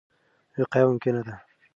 وقایه ممکنه ده.